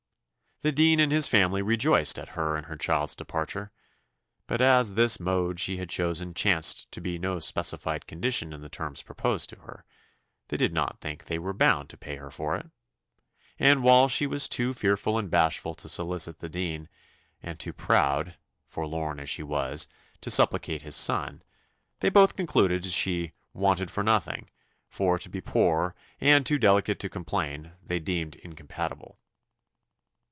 The dean and his family rejoiced at her and her child's departure; but as this mode she had chosen chanced to be no specified condition in the terms proposed to her, they did not think they were bound to pay her for it; and while she was too fearful and bashful to solicit the dean, and too proud (forlorn as she was) to supplicate his son, they both concluded she "wanted for nothing;" for to be poor, and too delicate to complain, they deemed incompatible.